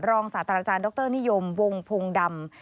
รองศาตราอาจารย์ดรนิยมวงพงศ์ดำ